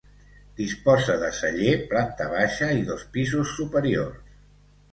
Disposa de celler, planta baixa i dos pisos superiors.